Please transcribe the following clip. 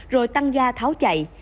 rồi tăng ga tháo chạy